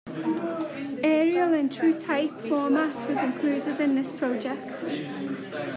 Arial in TrueType format was included in this project.